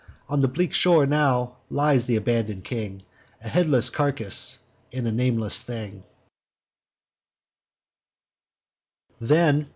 On the bleak shore now lies th' abandon'd king, A headless carcass, and a nameless thing.